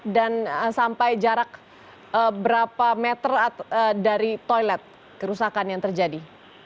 dan sampai jarak berapa meter dari toilet kerusakan yang terjadi